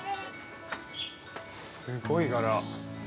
すごい柄。